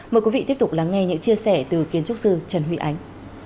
mời quý vị tiếp tục lắng nghe những chia sẻ từ kiến trúc sư trần huy ánh